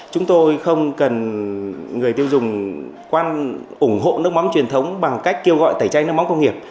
chúng tôi không cần người tiêu dùng quan ủng hộ nước mắm truyền thống bằng cách kêu gọi tẩy chay nước mắm công nghiệp